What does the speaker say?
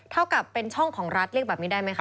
เท่ากับเป็นช่องของรัฐเรียกแบบนี้ได้ไหมคะ